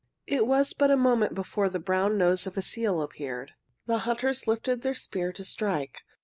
It was but a moment before the brown nose of a seal appeared. The hunters lifted their spears to strike.